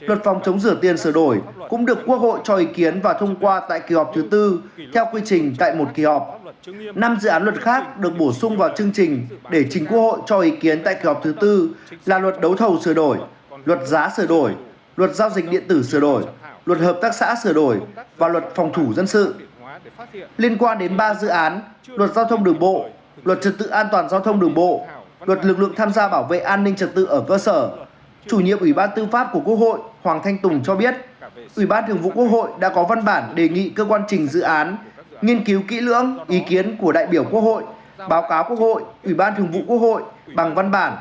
luật phòng chống rửa tiền sửa đổi cũng được quốc hội cho ý kiến và thông qua tại kỳ họp thứ sáu tháng một mươi năm hai nghìn hai mươi ba